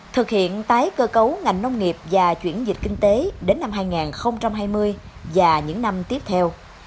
thực hiện tái cơ cấu ngành nông nghiệp và chuyển dịch kinh tế đến năm hai nghìn hai mươi và những năm tiếp theo